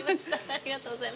ありがとうございます。